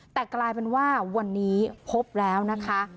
แต่กลายเป็นว่าวันนี้พบแล้วนะคะ